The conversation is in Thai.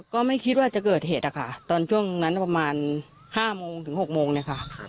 ก็ไม่คิดว่าจะเกิดเหตุอะค่ะตอนช่วงนั้นประมาณ๕โมงถึง๖โมงเนี่ยค่ะ